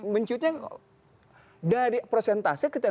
menciutnya dari prosentase